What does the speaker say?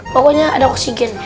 pokoknya ada oksigen